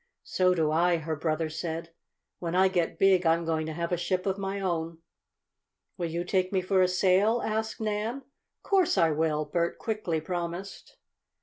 "So do I!" her brother said. "When I get big I'm going to have a ship of my own." "Will you take me for a sail?" asked Nan. "Course I will!" Bert quickly promised.